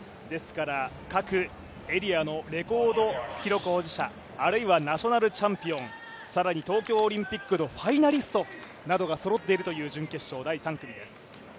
各エリアのレコード記録保持者あるいはナショナルチャンピオン、東京オリンピックのファイナリストがそろっている準決勝第３組です。